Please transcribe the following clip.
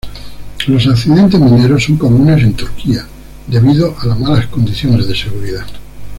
Los accidentes mineros son comunes en Turquía debido a las malas condiciones de seguridad.